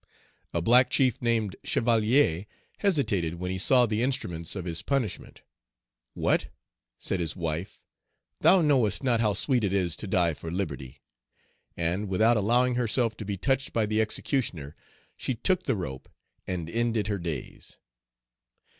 A black chief, named Chevalier, hesitated when he saw the instruments of his punishment. "What!" said his wife, "thou knowest not how sweet it is to die for liberty!" and, without allowing herself to be touched by the executioner, she took the rope and ended her days.